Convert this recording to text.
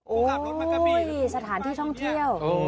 โอ้ยยสถานที่ช่องเที่ยว